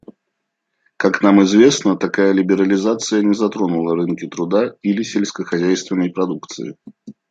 Как нам известно, такая либерализация не затронула рынки труда или сельскохозяйственной продукции.